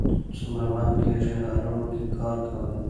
څومره وخت کېږي عربو کې کار کوئ.